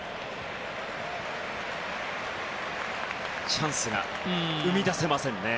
チャンスが生み出せませんね。